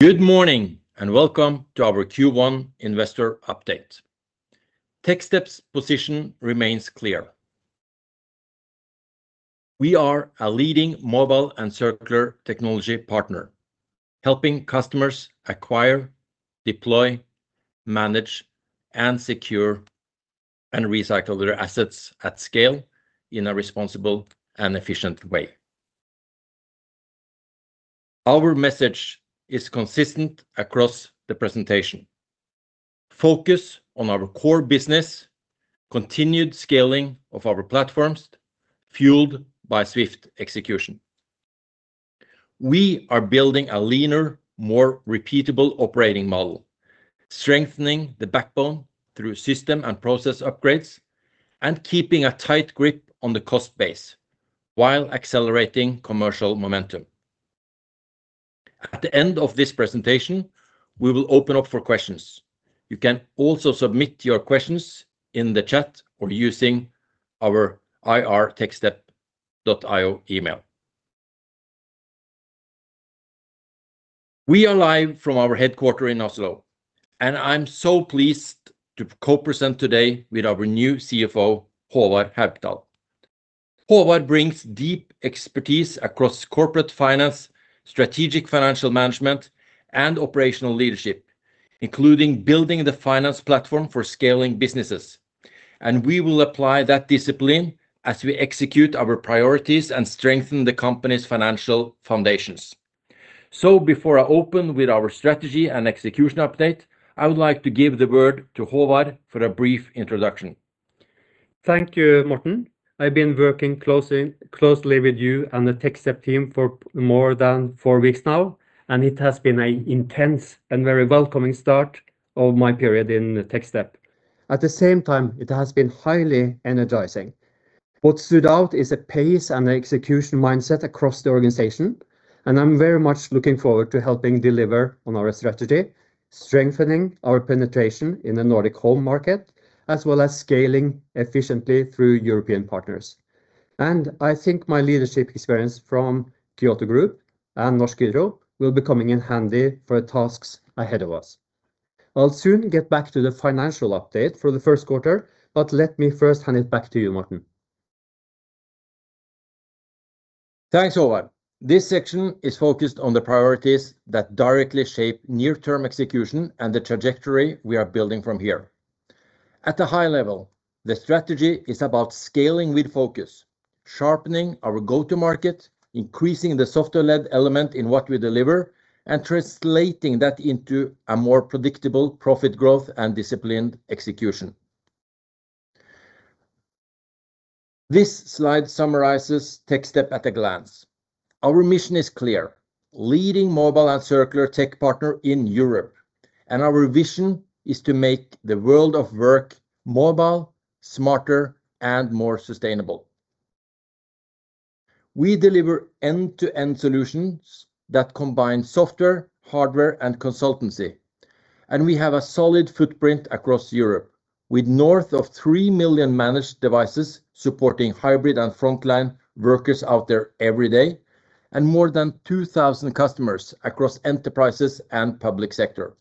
Good morning, welcome to our Q1 Investor Update. Techstep's position remains clear. We are a leading mobile and circular technology partner helping customers acquire, deploy, manage, and secure, and recycle their assets at scale in a responsible and efficient way. Our message is consistent across the presentation. Focus on our core business, continued scaling of our platforms, fueled by swift execution. We are building a leaner, more repeatable operating model, strengthening the backbone through system and process upgrades, and keeping a tight grip on the cost base while accelerating commercial momentum. At the end of this presentation, we will open up for questions. You can also submit your questions in the chat or using our ir@techstep.io email. We are live from our headquarters in Oslo, and I'm so pleased to co-present today with our new CFO, Håvard Haukdal. Håvard brings deep expertise across corporate finance, strategic financial management, and operational leadership, including building the finance platform for scaling businesses. We will apply that discipline as we execute our priorities and strengthen the company's financial foundations. Before I open with our strategy and execution update, I would like to give the word to Håvard for a brief introduction. Thank you, Morten. I've been working closely with you and the Techstep team for more than four weeks now. It has been an intense and very welcoming start of my period in Techstep. At the same time, it has been highly energizing. What stood out is the pace and the execution mindset across the organization. I'm very much looking forward to helping deliver on our strategy, strengthening our penetration in the Nordic home market, as well as scaling efficiently through European partners. I think my leadership experience from Grieg Group and Norsk Hydro will be coming in handy for the tasks ahead of us. I'll soon get back to the financial update for the first quarter. Let me first hand it back to you, Morten. Thanks, Håvard. This section is focused on the priorities that directly shape near-term execution and the trajectory we are building from here. At a high level, the strategy is about scaling with focus, sharpening our go-to market, increasing the software-led element in what we deliver, and translating that into a more predictable profit growth and disciplined execution. This slide summarizes Techstep at a glance. Our mission is clear: leading mobile and circular tech partner in Europe, and our vision is to make the world of work mobile, smarter, and more sustainable. We deliver end-to-end solutions that combine software, hardware, and consultancy, and we have a solid footprint across Europe with north of 3 million managed devices supporting hybrid and frontline workers out there every day and more than 2,000 customers across enterprises and public sector.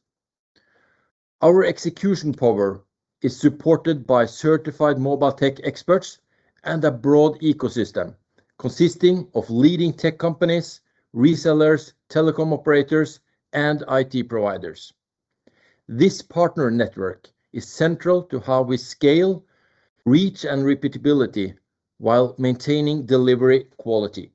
Our execution power is supported by certified mobile tech experts and a broad ecosystem consisting of leading tech companies, resellers, telecom operators, and IT providers. This partner network is central to how we scale, reach, and repeatability while maintaining delivery quality.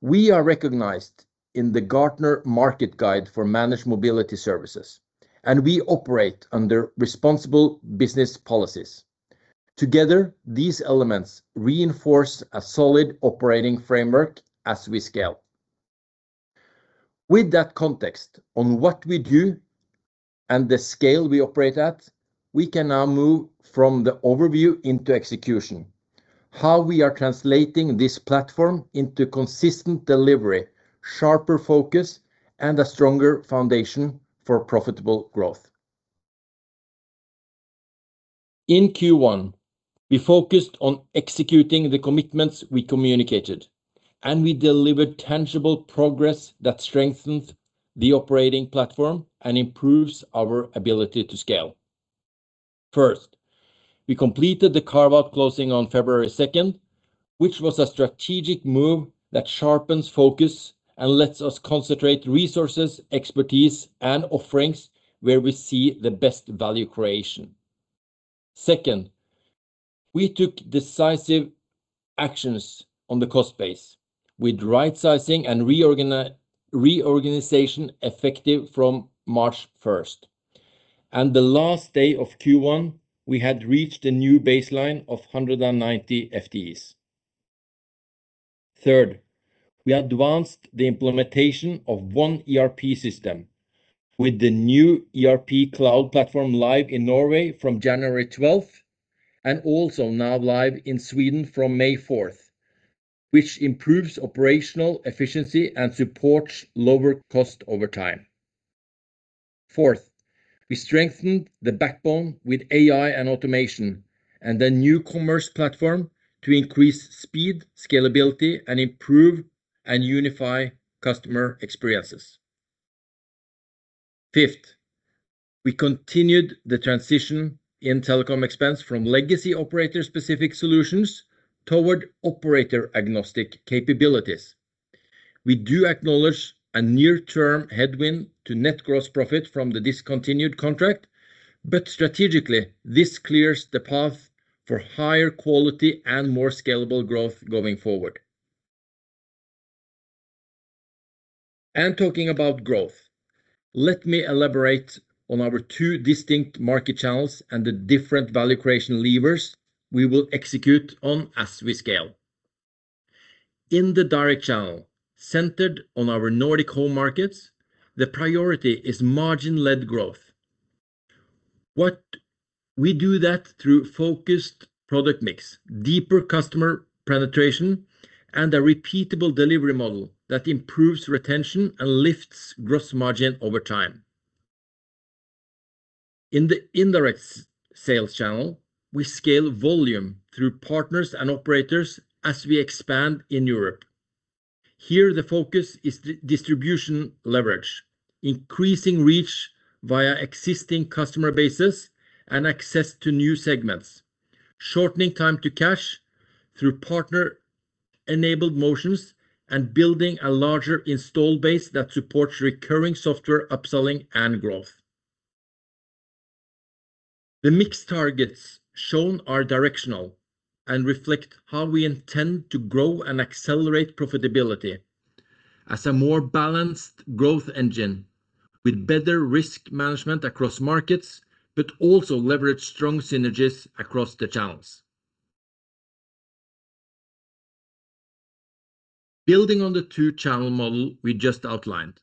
We are recognized in the Gartner Market Guide for managed mobility services, and we operate under responsible business policies. Together, these elements reinforce a solid operating framework as we scale. With that context on what we do and the scale we operate at, we can now move from the overview into execution, how we are translating this platform into consistent delivery, sharper focus, and a stronger foundation for profitable growth. In Q1, we focused on executing the commitments we communicated, and we delivered tangible progress that strengthens the operating platform and improves our ability to scale. First, we completed the carve-out closing on 2nd February, which was a strategic move that sharpens focus and lets us concentrate resources, expertise, and offerings where we see the best value creation. Second, we took decisive actions on the cost base with right-sizing and reorganization effective from 1st March. The last day of Q1, we had reached a new baseline of 190 FTEs. Third, we advanced the implementation of one ERP system with the new ERP cloud platform live in Norway from 12th January and also now live in Sweden from 4th May, which improves operational efficiency and supports lower cost over time. Fourth, we strengthened the backbone with AI and automation and a new commerce platform to increase speed, scalability, and improve and unify customer experiences. Fifth, we continued the transition in telecom expense from legacy operator-specific solutions toward operator-agnostic capabilities. We do acknowledge a near-term headwind to net gross profit from the discontinued contract, strategically, this clears the path for higher quality and more scalable growth going forward. Talking about growth, let me elaborate on our two distinct market channels and the different value creation levers we will execute on as we scale. In the direct channel, centered on our Nordic home markets, the priority is margin-led growth. We do that through focused product mix, deeper customer penetration, and a repeatable delivery model that improves retention and lifts gross margin over time. In the indirect sales channel, we scale volume through partners and operators as we expand in Europe. Here, the focus is distribution leverage, increasing reach via existing customer bases and access to new segments, shortening time to cash through partner-enabled motions, and building a larger install base that supports recurring software upselling and growth. The mix targets shown are directional and reflect how we intend to grow and accelerate profitability as a more balanced growth engine with better risk management across markets, but also leverage strong synergies across the channels. Building on the two-channel model we just outlined,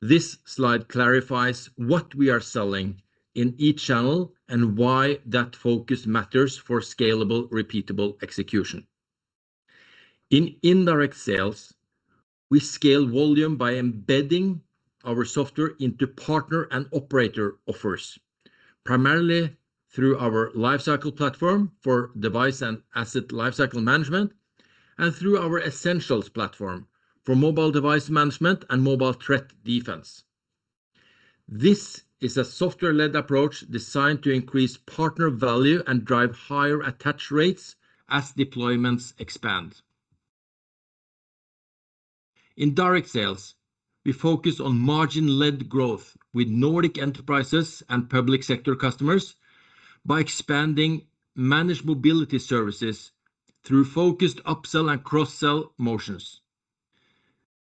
this slide clarifies what we are selling in each channel and why that focus matters for scalable, repeatable execution. In indirect sales, we scale volume by embedding our software into partner and operator offers, primarily through our Lifecycle Platform for device and asset lifecycle management, and through our Essentials platform for mobile device management and mobile threat defense. This is a software-led approach designed to increase partner value and drive higher attach rates as deployments expand. In direct sales, we focus on margin-led growth with Nordic enterprises and public sector customers by expanding managed mobility services through focused upsell and cross-sell motions.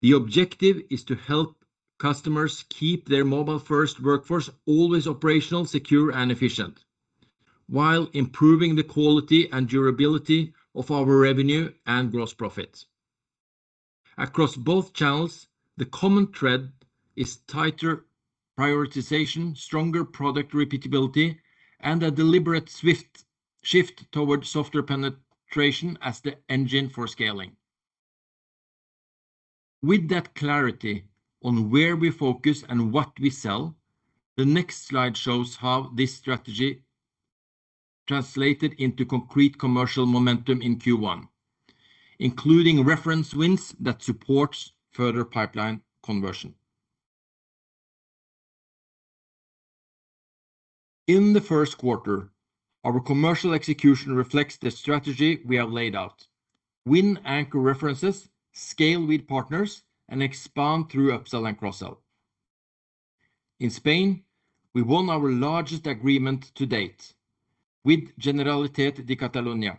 The objective is to help customers keep their mobile-first workforce always operational, secure, and efficient while improving the quality and durability of our revenue and gross profits. Across both channels, the common thread is tighter prioritization, stronger product repeatability, and a deliberate shift towards software penetration as the engine for scaling. With that clarity on where we focus and what we sell, the next slide shows how this strategy translated into concrete commercial momentum in Q1, including reference wins that supports further pipeline conversion. In the first quarter, our commercial execution reflects the strategy we have laid out: Win anchor references, scale with partners, and expand through upsell and cross-sell. In Spain, we won our largest agreement to date with Generalitat de Catalunya,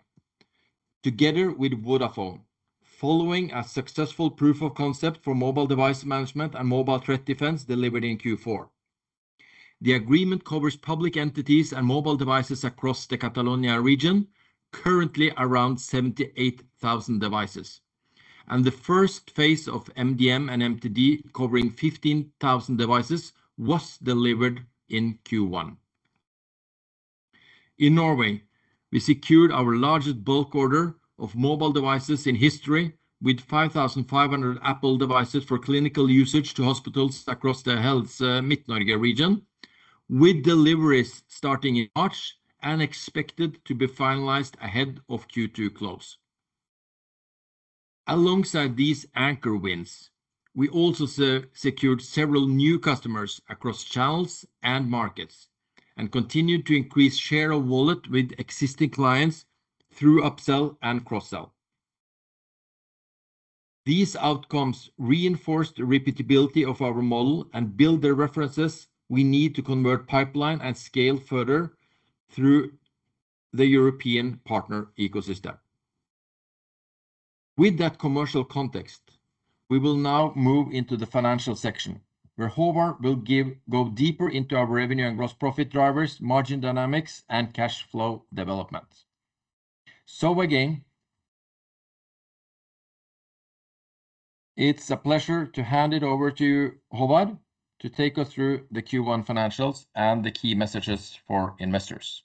together with Vodafone, following a successful proof of concept for mobile device management and mobile threat defense delivered in Q4. The agreement covers public entities and mobile devices across the Catalonia region, currently around 78,000 devices, and the first phase of MDM and MTD covering 15,000 devices was delivered in Q1. In Norway, we secured our largest bulk order of mobile devices in history with 5,500 Apple devices for clinical usage to hospitals across the Helse Midt-Norge region, with deliveries starting in March and expected to be finalized ahead of Q2 close. Alongside these anchor wins, we also secured several new customers across channels and markets and continued to increase share of wallet with existing clients through upsell and cross-sell. These outcomes reinforce the repeatability of our model and build the references we need to convert pipeline and scale further through the European partner ecosystem. With that commercial context, we will now move into the financial section, where Håvard will go deeper into our revenue and gross profit drivers, margin dynamics, and cash flow developments. It's a pleasure to hand it over to Håvard to take us through the Q1 financials and the key messages for investors.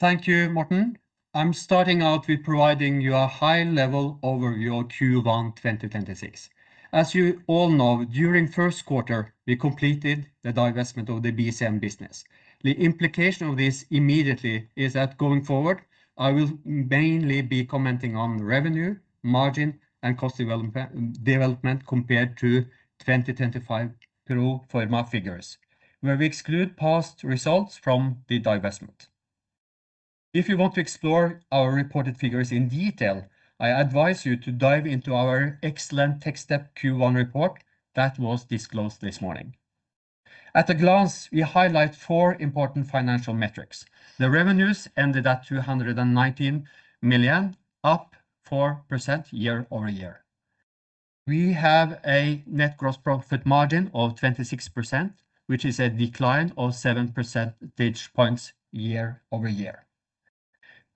Thank you, Morten Meier. I'm starting out with providing you a high level overview of Q1 2026. As you all know, during first quarter, we completed the divestment of the BCM business. The implication of this immediately is that going forward, I will mainly be commenting on revenue, margin, and cost development compared to 2025 pro forma figures, where we exclude past results from the divestment. If you want to explore our reported figures in detail, I advise you to dive into our excellent Techstep Q1 report that was disclosed this morning. At a glance, we highlight four important financial metrics. The revenues ended at 219 million, up 4% year-over-year. We have a net gross profit margin of 26%, which is a decline of seven percentage points year-over-year.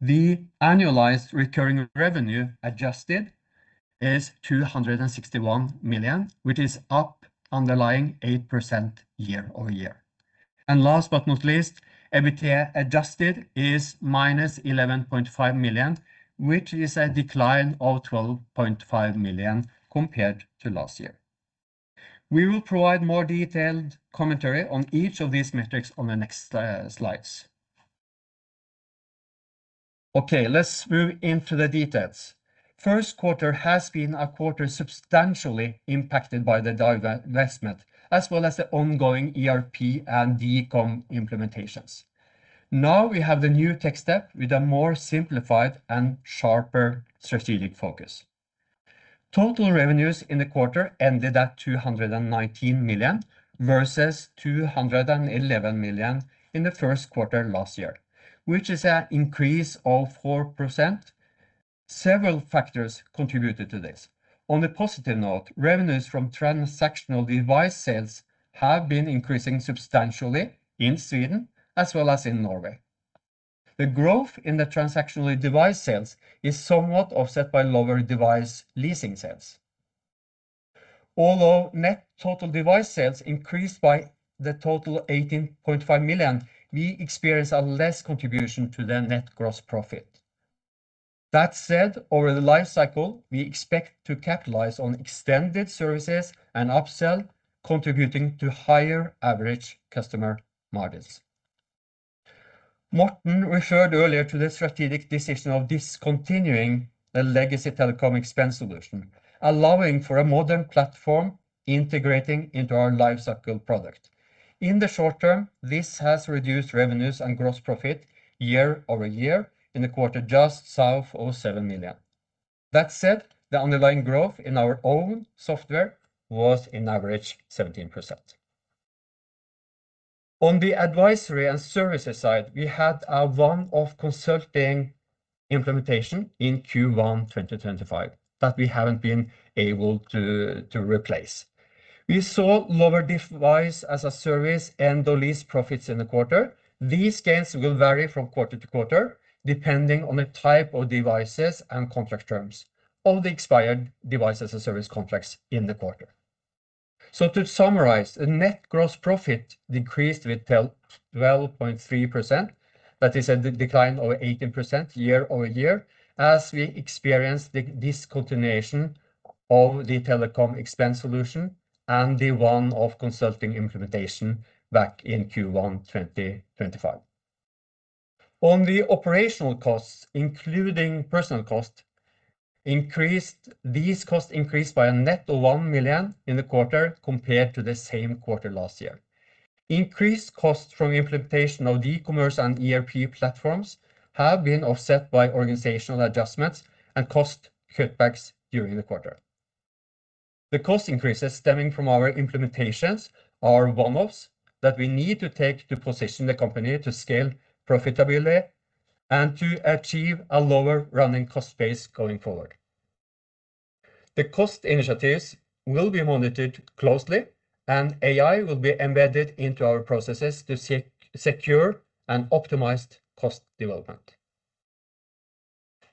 The annualized recurring revenue adjusted is 261 million, which is up underlying 8% year-over-year. Last but not least, EBITDA adjusted is -11.5 million, which is a decline of 12.5 million compared to last year. We will provide more detailed commentary on each of these metrics on the next slides. Okay, let's move into the details. First quarter has been a quarter substantially impacted by the divestment, as well as the ongoing ERP and eCom implementations. Now we have the new Techstep with a more simplified and sharper strategic focus. Total revenues in the quarter ended at 219 million versus 211 million in the first quarter last year, which is an increase of 4%. Several factors contributed to this. On a positive note, revenues from transactional device sales have been increasing substantially in Sweden as well as in Norway. The growth in the transactional device sales is somewhat offset by lower device leasing sales. Although net total device sales increased by the total 18.5 million, we experience a less contribution to the net gross profit. That said, over the life cycle, we expect to capitalize on extended services and upsell contributing to higher average customer margins. Morten Meier referred earlier to the strategic decision of discontinuing the legacy telecom expense solution, allowing for a modern platform integrating into our Lifecycle Platform product. In the short term, this has reduced revenues and gross profit year-over-year in the quarter just south of 7 million. That said, the underlying growth in our own software was in average 17%. On the advisory and services side, we had a one-off consulting implementation in Q1 2025 that we haven't been able to replace. We saw lower device as a service and the lease profits in the quarter. These gains will vary from quarter to quarter, depending on the type of devices and contract terms of the expired devices and service contracts in the quarter. To summarize, the net gross profit decreased with 12.3%. That is a decline of 18% year-over-year as we experienced the discontinuation of the telecom expense solution and the one-off consulting implementation back in Q1 2025. On the operational costs, including personal cost, these costs increased by a net of 1 million in the quarter compared to the same quarter last year. Increased costs from implementation of the e-commerce and ERP platforms have been offset by organizational adjustments and cost cutbacks during the quarter. The cost increases stemming from our implementations are one-offs that we need to take to position the company to scale profitability and to achieve a lower running cost base going forward. The cost initiatives will be monitored closely, and AI will be embedded into our processes to secure and optimize cost development.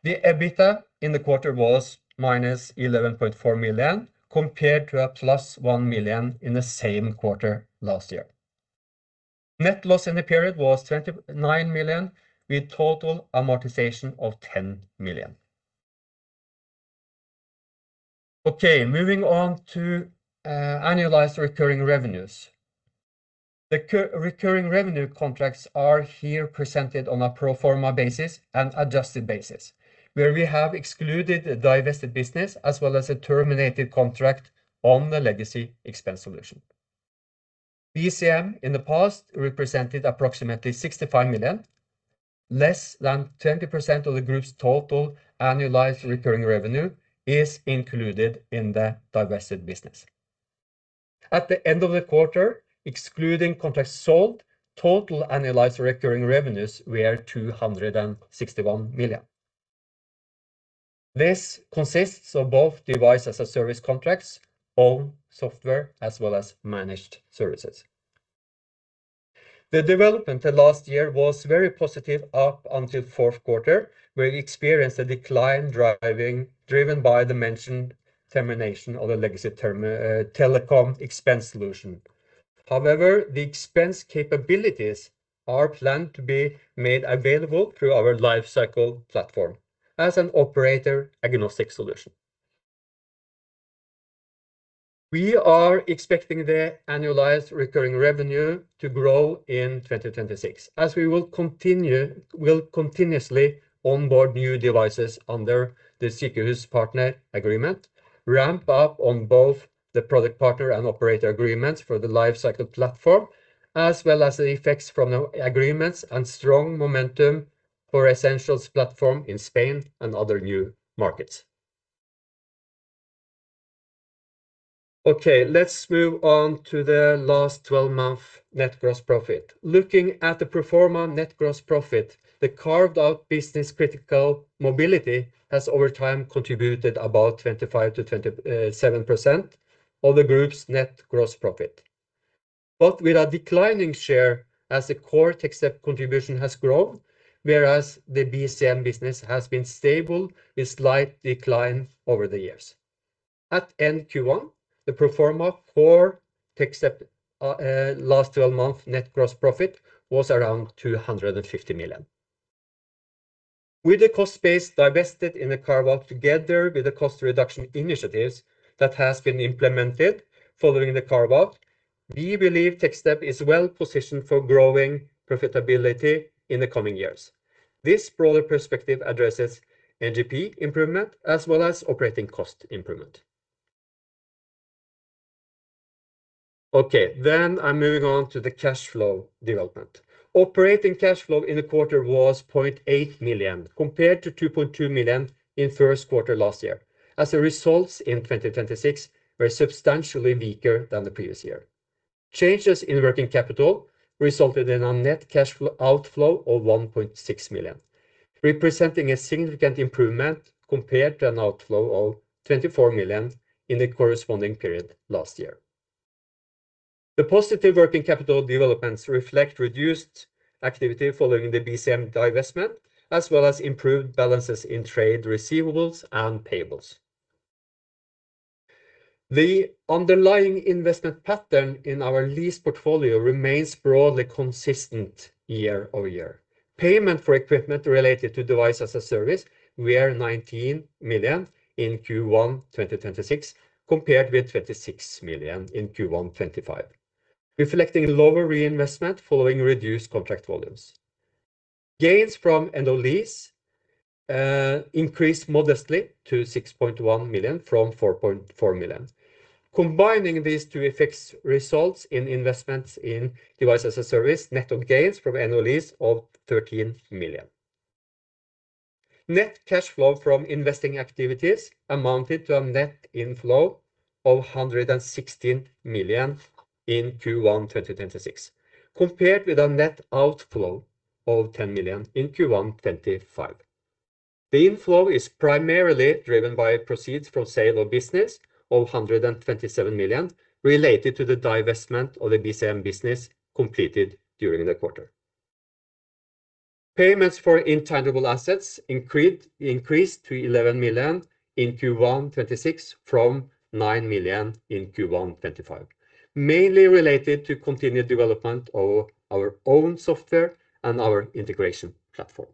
The EBITDA in the quarter was -11.4 million compared to a +1 million in the same quarter last year. Net loss in the period was 29 million, with total amortization of 10 million. Okay, moving on to annualized recurring revenues. The recurring revenue contracts are here presented on a pro forma basis and adjusted basis, where we have excluded the divested business as well as a terminated contract on the legacy telecom expense solution. BCM in the past represented approximately 65 million. Less than 20% of the group's total annualized recurring revenue is included in the divested business. At the end of the quarter, excluding contracts sold, total annualized recurring revenues were 261 million. This consists of both device as a service contracts, own software, as well as managed services. The development the last year was very positive up until fourth quarter, where we experienced a decline driven by the mentioned termination of the legacy telecom expense solution. However, the expense capabilities are planned to be made available through our Lifecycle Platform as an operator-agnostic solution. We are expecting the annualized recurring revenue to grow in 2026, as we will continuously onboard new devices under the CQ's partner agreement, ramp up on both the product partner and operator agreements for the Lifecycle Platform, as well as the effects from the agreements and strong momentum for Essentials platform in Spain and other new markets. Okay, let's move on to the last 12-month net gross profit. Looking at the pro forma net gross profit, the carved-out Business Critical Mobility has over time contributed about 25%-27% of the group's net gross profit. With a declining share as the core Techstep contribution has grown, whereas the BCM business has been stable with slight decline over the years. At End Q1, the pro forma for Techstep last 12-month net gross profit was around 250 million. With the cost base divested in the carve-out, together with the cost reduction initiatives that has been implemented following the carve-out, we believe Techstep is well-positioned for growing profitability in the coming years. This broader perspective addresses NGP improvement as well as operating cost improvement. I'm moving on to the cash flow development. Operating cash flow in the quarter was 0.8 million, compared to 2.2 million in first quarter last year, as the results in 2026 were substantially weaker than the previous year. Changes in working capital resulted in a net cash flow outflow of 1.6 million, representing a significant improvement compared to an outflow of 24 million in the corresponding period last year. The positive working capital developments reflect reduced activity following the BCM divestment, as well as improved balances in trade receivables and payables. The underlying investment pattern in our lease portfolio remains broadly consistent year-over-year. Payment for equipment related to device as a service were 19 million in Q1, 2026, compared with 26 million in Q1, 2025, reflecting lower reinvestment following reduced contract volumes. Gains from end of lease increased modestly to 6.1 million from 4.4 million. Combining these two effects results in investments in device as a service net of gains from end of lease of 13 million. Net cash flow from investing activities amounted to a net inflow of 116 million in Q1, 2026, compared with a net outflow of 10 million in Q1, 2025. The inflow is primarily driven by proceeds from sale of business of 127 million related to the divestment of the BCM business completed during the quarter. Payments for intangible assets increased to 11 million in Q1 2026 from 9 million in Q1 2025, mainly related to continued development of our own software and our integration platform.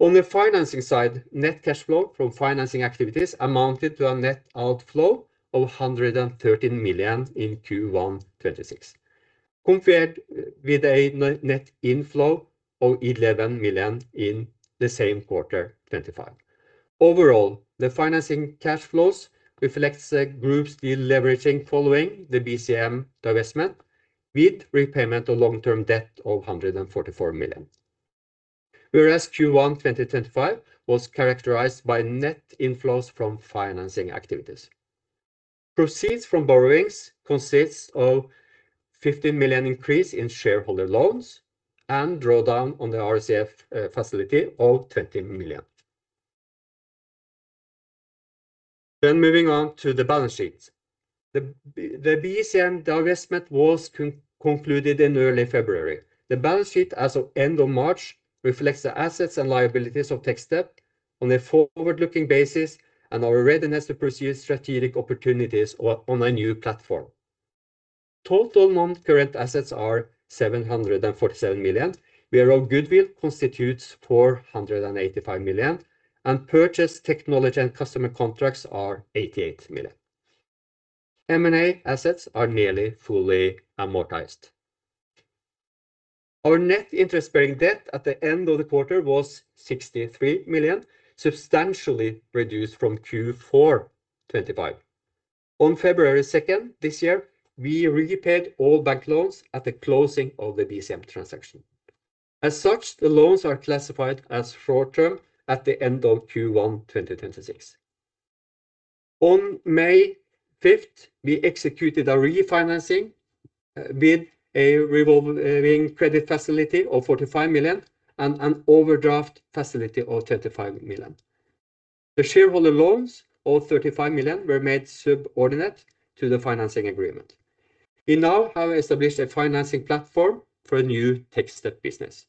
On the financing side, net cash flow from financing activities amounted to a net outflow of 113 million in Q1 2026, compared with a net inflow of 11 million in the same quarter 2025. Overall, the financing cash flows reflects the group's deleveraging following the BCM divestment with repayment of long-term debt of 144 million. Whereas Q1 2025 was characterized by net inflows from financing activities. Proceeds from borrowings consists of 50 million increase in shareholder loans and drawdown on the RCF facility of 20 million. Moving on to the balance sheet. The BCM divestment was concluded in early February. The balance sheet as of end of March reflects the assets and liabilities of Techstep on a forward-looking basis and our readiness to pursue strategic opportunities on a new platform. Total non-current assets are 747 million, whereof goodwill constitutes 485 million and purchase technology and customer contracts are 88 million. M&A assets are nearly fully amortized. Our net interest bearing debt at the end of the quarter was 63 million, substantially reduced from Q4 2025. On 2 February this year, we repaid all bank loans at the closing of the BCM transaction. As such, the loans are classified as short-term at the end of Q1 2026. On 5 May, we executed a refinancing with a revolving credit facility of 45 million and an overdraft facility of 35 million. The shareholder loans of 35 million were made subordinate to the financing agreement. We now have established a financing platform for a new Techstep business.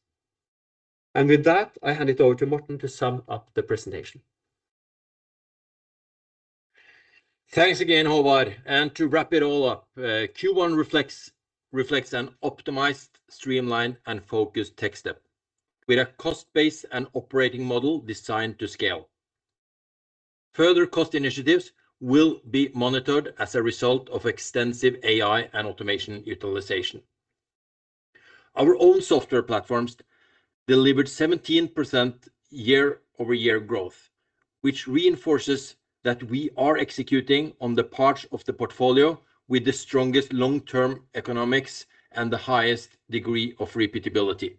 With that, I hand it over to Morten to sum up the presentation. Thanks again, Håvard. To wrap it all up, Q1 reflects an optimized, streamlined, and focused Techstep with a cost base and operating model designed to scale. Further cost initiatives will be monitored as a result of extensive AI and automation utilization. Our own software platforms delivered 17% year-over-year growth, which reinforces that we are executing on the parts of the portfolio with the strongest long-term economics and the highest degree of repeatability.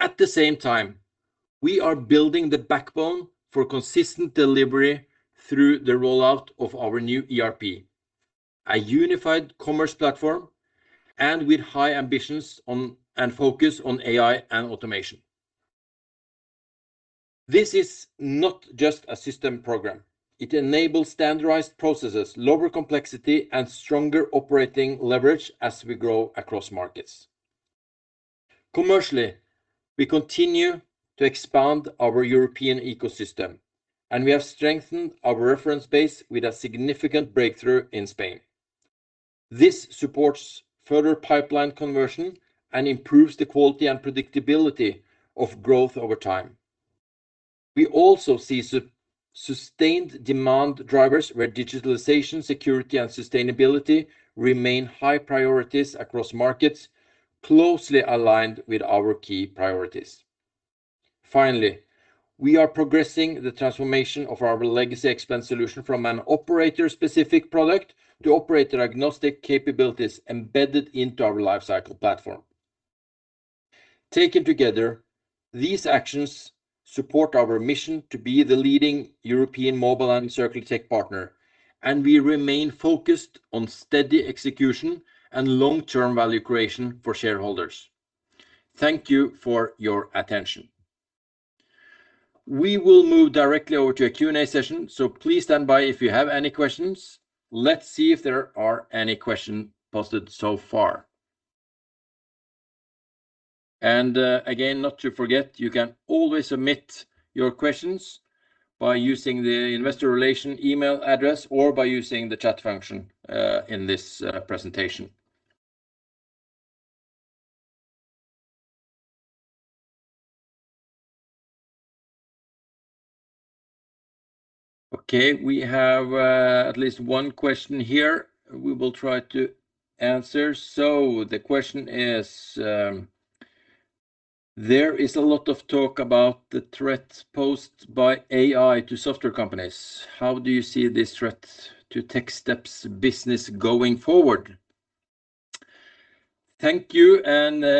At the same time, we are building the backbone for consistent delivery through the rollout of our new ERP, a unified commerce platform, and with high ambitions and focus on AI and automation. This is not just a system program. It enables standardized processes, lower complexity, and stronger operating leverage as we grow across markets. Commercially, we continue to expand our European ecosystem, and we have strengthened our reference base with a significant breakthrough in Spain. This supports further pipeline conversion and improves the quality and predictability of growth over time. We also see sustained demand drivers where digitalization, security, and sustainability remain high priorities across markets, closely aligned with our key priorities. Finally, we are progressing the transformation of our legacy expense solution from an operator-specific product to operator-agnostic capabilities embedded into our Lifecycle Platform. Taken together, these actions support our mission to be the leading European mobile and circular tech partner, and we remain focused on steady execution and long-term value creation for shareholders. Thank you for your attention. We will move directly over to a Q&A session. Please stand by if you have any questions. Let's see if there are any question posted so far. Again, not to forget, you can always submit your questions by using the investor relations email address or by using the chat function in this presentation. Okay, we have at least one question here we will try to answer. The question is, there is a lot of talk about the threats posed by AI to software companies. How do you see this threat to Techstep's business going forward? Thank you,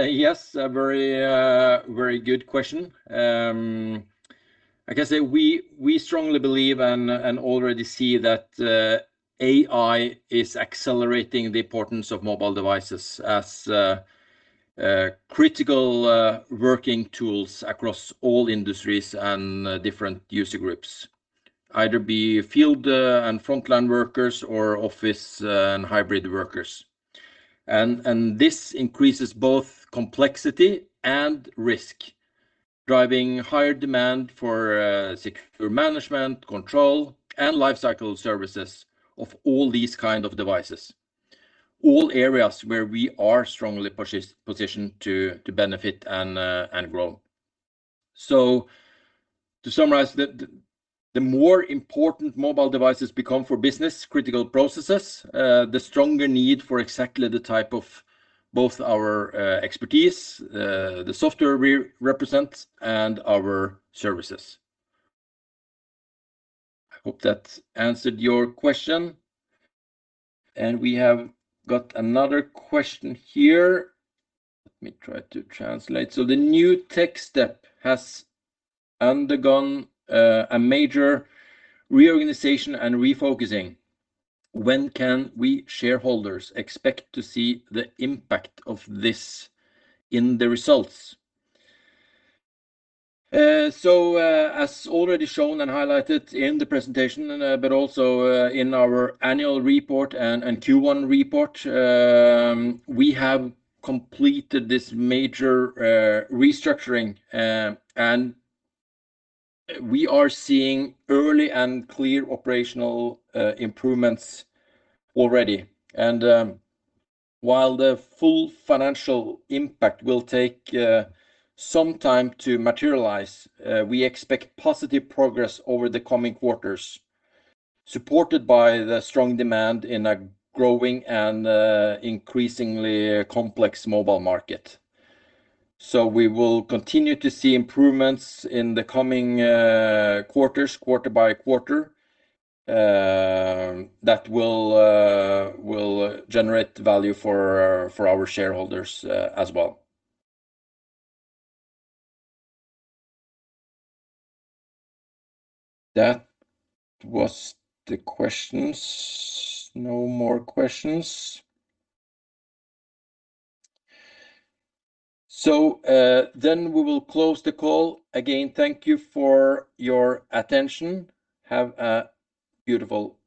yes, a very good question. I can say we strongly believe and already see that AI is accelerating the importance of mobile devices as critical working tools across all industries and different user groups, either be field and frontline workers or office and hybrid workers. This increases both complexity and risk, driving higher demand for secure management, control, and lifecycle services of all these kind of devices. All areas where we are strongly positioned to benefit and grow. To summarize, the more important mobile devices become for business-critical processes, the stronger need for exactly the type of both our expertise, the software we represent, and our services. I hope that answered your question. We have got another question here. Let me try to translate. The new Techstep has undergone a major reorganization and refocusing. When can we shareholders expect to see the impact of this in the results? As already shown and highlighted in the presentation, but also in our annual report and Q1 report, we have completed this major restructuring. We are seeing early and clear operational improvements already. While the full financial impact will take some time to materialize, we expect positive progress over the coming quarters, supported by the strong demand in a growing and increasingly complex mobile market. We will continue to see improvements in the coming quarters, quarter by quarter, that will generate value for our shareholders as well. That was the questions. No more questions. We will close the call. Again, thank you for your attention. Have a beautiful evening